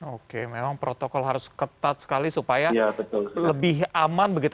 oke memang protokol harus ketat sekali supaya lebih aman jadi ketika nanti sedang membantu tidak perlu banyak khawatir gitu ya